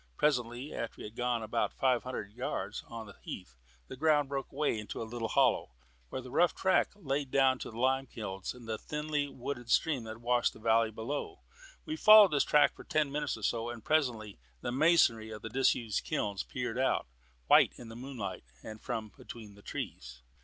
Presently, after we had gone about five hundred yards on the heath, the ground broke away into a little hollow, where a rough track led down to the Lime Kilns and the thinly wooded stream that washed the valley below. We followed this track for ten minutes or so, and presently the masonry of the disused kilns peered out, white in the moonlight, from between the trees.